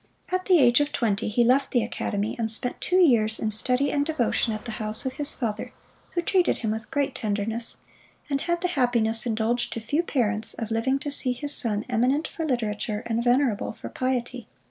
At the age of twenty he left the academy, and spent two years in study and devotion at the house of his father, who treated him with great tenderness; and had the happiness, indulged to few parents, of living to see his son eminent for literature and venerable for piety.